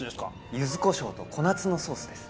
柚子胡椒と小夏のソースです